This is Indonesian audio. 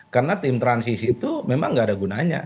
karena tim transisi itu memang gak ada gunanya